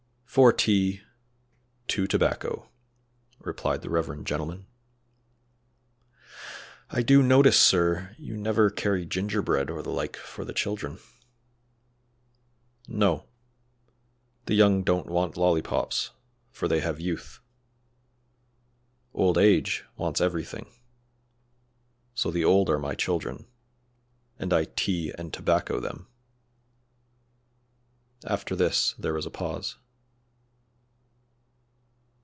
"Four tea, two tobacco," replied the reverend gentleman. "I do notice, sir, you never carry gingerbread or the like for the children." "No; the young don't want lollypops, for they have youth. Old age wants everything, so the old are my children, and I tea and tobacco them." After this there was a pause.